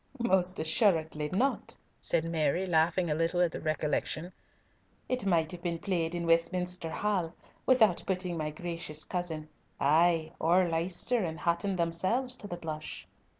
"Most assuredly not," said Mary, laughing a little at the recollection. "It might have been played in Westminster Hall without putting my gracious cousin, ay, or Leicester and Hatton themselves, to the blush."